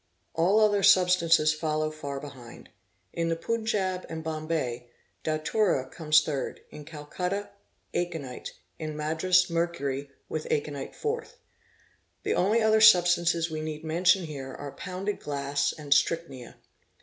All other subs tances follow far behind. In the Punjab and Bombay, datura comes third; in Calcutta, aconite;.1n Madras, mercury, with aconite fourth. The only other substances we need mention here are pounded glass and strychnia.